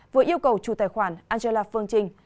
vừa yêu cầu chủ tài khoản angela phương trình